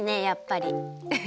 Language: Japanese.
やっぱり。